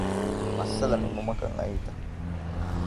މައްސަލަ ނިމުމަކަށް އައީތަ؟